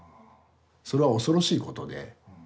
それは恐ろしいことで。